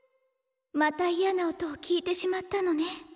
また嫌な音を聴いてしまったのね？